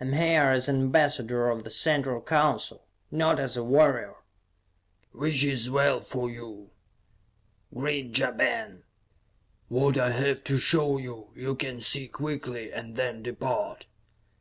I am here as an ambassador of the Central Council, not as a warrior." "Which is as well for you," grinned Ja Ben. "What I have to show you, you can see quickly, and then depart."